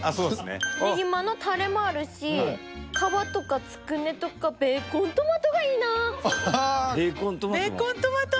ねぎまのたれもあるし皮とかつくねとかベーコントマトがいいなベーコントマト？